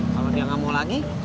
kalau dia nggak mau lagi